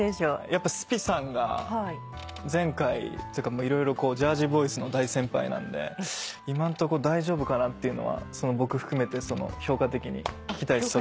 やっぱｓｐｉさんが前回というか色々こう『ジャージー・ボーイズ』の大先輩なんで今んとこ大丈夫かなっていうのは僕含めて評価的に聞きたいっす。